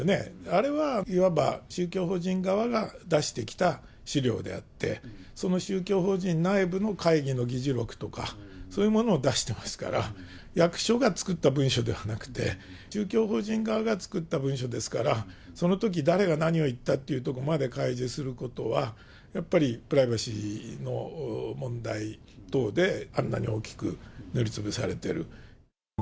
あれはいわば宗教法人側が出してきた資料であって、その宗教法人内部の会議の議事録とか、そういうものを出してますから、役所が作った文書ではなくて、宗教法人側が作った文書ですから、そのとき、誰が何を言ったってことまで開示することは、やっぱりプライバシーの問題等で、あんなに大きく塗りつぶされてる。